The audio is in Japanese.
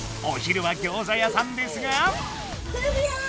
お昼はギョーザ屋さんですが。